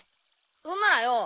そんならよ